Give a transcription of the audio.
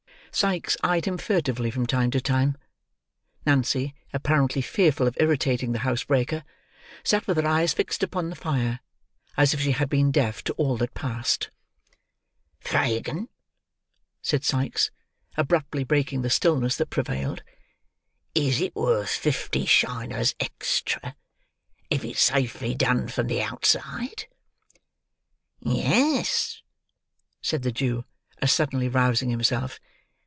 Sikes eyed him furtively from time to time. Nancy, apparently fearful of irritating the housebreaker, sat with her eyes fixed upon the fire, as if she had been deaf to all that passed. "Fagin," said Sikes, abruptly breaking the stillness that prevailed; "is it worth fifty shiners extra, if it's safely done from the outside?" "Yes," said the Jew, as suddenly rousing himself.